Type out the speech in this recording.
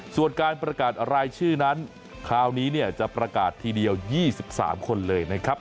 ส่วนการประกาศรายชื่อนั้นคราวนี้จะประกาศทีเดียว๒๓คนเลยนะครับ